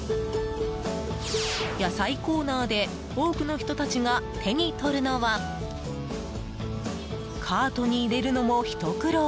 野菜コーナーで多くの人たちが手に取るのはカートに入れるのもひと苦労。